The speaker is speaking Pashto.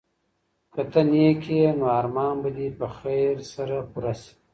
که ته نېک یې نو ارمان به دي په خیر سره پوره سي.